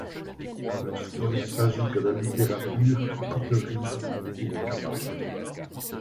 Lorsqu’il ne s’agit que de littérature, les coteries ont recours aux cabales.